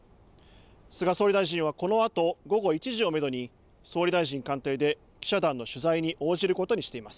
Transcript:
菅総理大臣は、このあと午後１時をめどに総理大臣官邸で記者団の取材に応じることにしています。